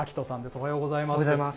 おはようございます。